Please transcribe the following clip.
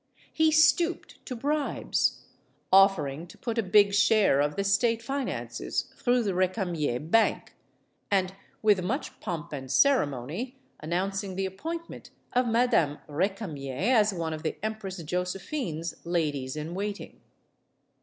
He stooped to bribes; offering to put a big share of the state finances through the Recamier bank, and, with much pomp and ceremony, announcing the appointment of Madame Recamier as one of the Empress Josephine's ladies in waiting.